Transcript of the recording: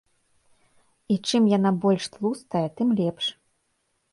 І чым яна больш тлустая, тым лепш.